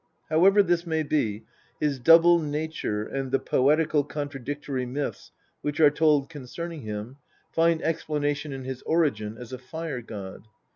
However this may be, his double nature and the poetical con tradictory myths which are told concerning him find explanation in his origin as a fire god.